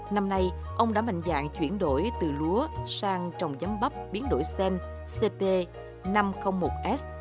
năm nay ông đã mạnh dạng chuyển đổi từ lúa sang trồng dắn bắp biến đổi sen cp năm trăm linh một s